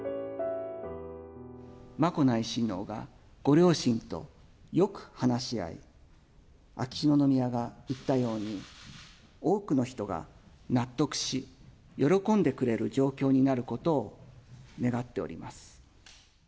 眞子内親王がご両親とよく話し合い、秋篠宮が言ったように、多くの人が納得し、喜んでくれる状況になることを願っております。